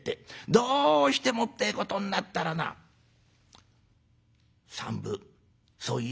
どうしてもってえことになったらな３分そう言え」。